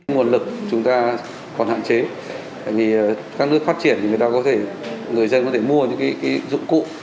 nguồn lực chúng ta còn hạn chế các nước phát triển người dân có thể mua những dụng cụ